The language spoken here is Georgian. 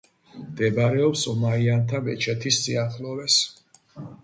მდებარეობს ომაიანთა მეჩეთის სიახლოვეს.